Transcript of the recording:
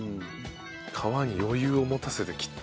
皮に余裕を持たせて切ってる。